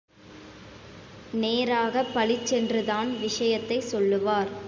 நேராகப் பளிச்சென்று தான் விஷயத்தைச் சொல்லுவார்.